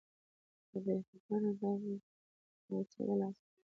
په بې خطره ځای کې زړور اوسېدل اسانه دي.